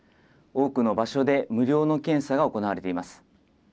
多くの場所で無料の検査が行われています。